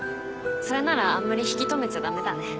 それならあんまり引き留めちゃ駄目だね。